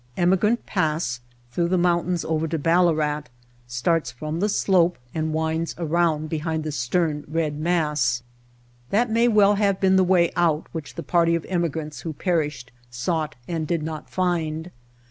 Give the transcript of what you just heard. Emigrant Pass through the mountains over to Ballarat starts from the slope and winds around behind the stern, red mass. That may well have been the way out which the party of emigrants who perished sought and did not find.